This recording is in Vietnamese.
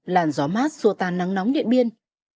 làn gió mát xua tan nắng nóng điện biên